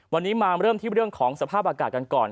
วันนี้มาเริ่มที่เรื่องของสภาพอากาศกันก่อน